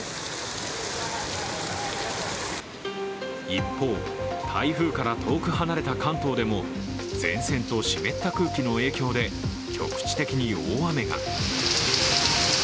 一方、台風から遠く離れた関東でも前線と湿った空気の影響で局地的に大雨が。